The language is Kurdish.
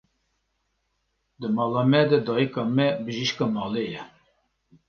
Di mala me de dayika me bijîşka malê ye.